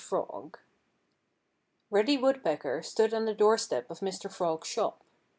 FROG* Reddy Woodpecker stood on the doorstep of Mr. Frog's shop.